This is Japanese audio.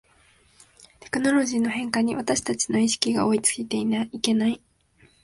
テクノロジーの変化に私たちの意識が追いついていけない